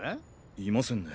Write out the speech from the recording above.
いませんね。